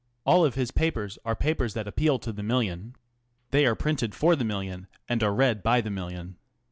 All of his papers are papers that appeal to the million. They arc printed for the million and arc read by the million.